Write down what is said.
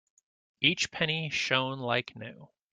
Each penny shone like new.